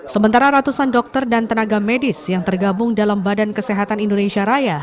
sementara ratusan dokter dan tenaga medis yang tergabung dalam badan kesehatan indonesia raya